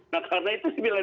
nah karena itu